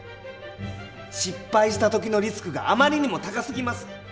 失敗した時のリスクがあまりにも高すぎます。